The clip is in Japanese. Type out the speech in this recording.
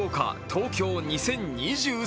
東京２０２３。